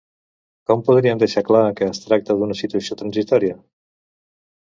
Com podríem deixar clar que es tractaria d’una situació transitòria?